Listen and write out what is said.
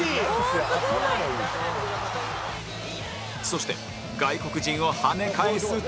そして外国人をはね返す強さ